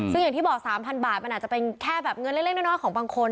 ซึ่งอย่างที่บอก๓๐๐บาทมันอาจจะเป็นแค่แบบเงินเล็กน้อยของบางคน